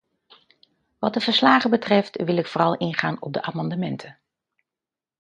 Wat de verslagen betreft, wil ik vooral ingaan op de amendementen.